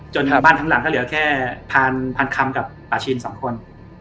บ้านทั้งหลังก็เหลือแค่พันคำกับป่าชินสองคน